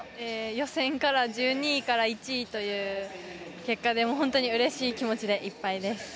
予選の１２位から１位ということで本当にうれしい気持ちでいっぱいです。